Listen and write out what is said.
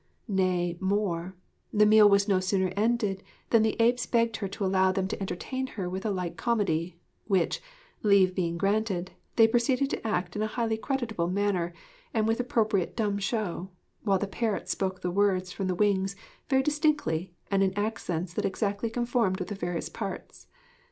Nay more; the meal was no sooner ended than the apes begged her to allow them to entertain her with a light comedy; which (leave being granted) they proceeded to act in a highly creditable manner and with appropriate dumb show, while the parrots spoke the words from the wings very distinctly and in accents that exactly conformed with the various parts.